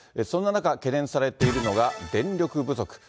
そんな中、懸念されているのが電力不足。